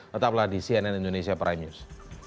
tetaplah di cnn indonesia prime news